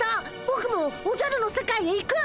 ぼくもおじゃるの世界へ行く！